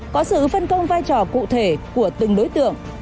có sự phân công vai trò cụ thể của từng đối tượng